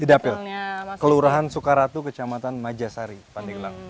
di dapil kelurahan soekaratu kecamatan majasari pandeglang